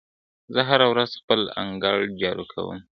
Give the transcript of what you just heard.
زه هره ورځ خپل انګړ جارو کوم.